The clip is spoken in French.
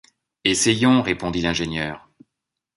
Essayons, » répondit l’ingénieur